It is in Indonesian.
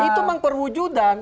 itu memang perwujudan